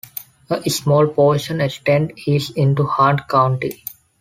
A small portion extends east into Hunt County.